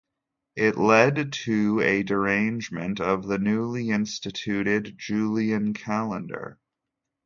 It led to a derangement of the newly instituted Julian calendar.